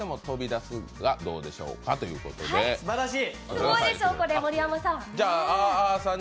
すごいでしょ、これ盛山さん！